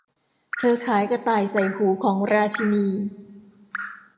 เธอขายกระต่ายใส่หูของราชินี